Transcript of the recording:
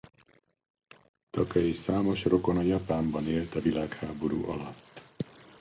Takei számos rokona Japánban élt a világháború alatt.